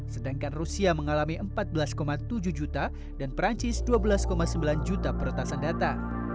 sedangkan rusia mengalami empat belas tujuh juta dan perancis dua belas sembilan juta peretasan data